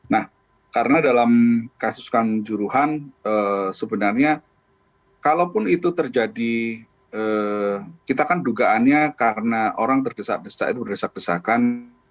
nah karena dalam kasus kanjuruhan sebenarnya kalaupun itu terjadi kita kan dugaannya karena orang terdesak desak itu berdesak desakan